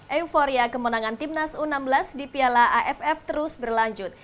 euforia kemenangan timnas u enam belas di piala aff terus berlanjut